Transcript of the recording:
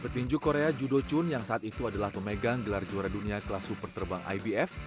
petinju korea judo chun yang saat itu adalah pemegang gelar juara dunia kelas super terbang ibf